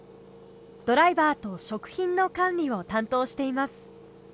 ドライバーと食品の管理を担当しています。